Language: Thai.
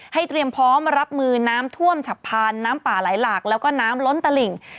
เตรียมพร้อมรับมือน้ำท่วมฉับพานน้ำป่าไหลหลากแล้วก็น้ำล้นตลิ่ง